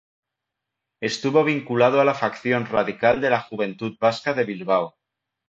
Estuvo vinculado a la facción radical de la Juventud Vasca de Bilbao.